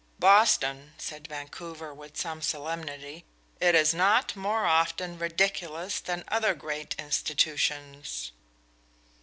"Boston," said Vancouver with some solemnity. "It is not more often ridiculous than other great institutions."